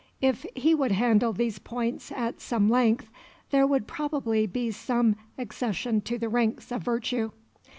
If he would handle these points at some length there would probably be some accession to the ranks of virtue.